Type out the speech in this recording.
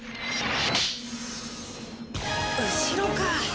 後ろか。